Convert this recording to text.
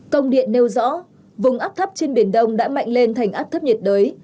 công điện nêu rõ vùng áp thấp trên biển đông đã mạnh lên thành áp thấp nhiệt đới